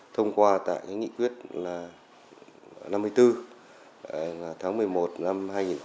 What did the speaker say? thông qua tại nghị quyết là năm mươi bốn tháng một mươi một năm hai nghìn một mươi bảy